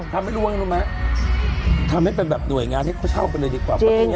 ทำให้รู้ว่าไงรู้ไหมทำให้เป็นแบบหน่วยงานให้เขาเช่ากันเลยดีกว่า